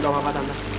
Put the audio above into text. gak apa trata